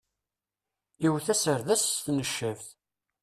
Iwet aserdas s tneccabt.